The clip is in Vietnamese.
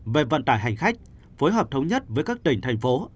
về vận tải hành khách phối hợp thống nhất với các tỉnh thành phố